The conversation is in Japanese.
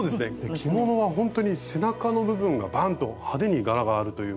着物はほんとに背中の部分がバンと派手に柄があるというか。